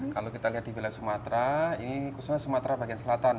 kalau kita lihat di wilayah sumatera ini khususnya sumatera bagian selatan